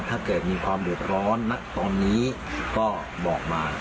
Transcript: ถ้าเกิดมีความเดือดร้อนนักตอนนี้ก็บอกมา